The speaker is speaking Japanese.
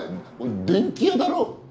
電気屋だろ。